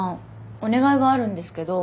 お願いがあるんですけど。